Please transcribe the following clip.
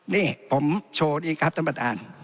นี่ผมโชว์ดีครับตำบัติอ่าน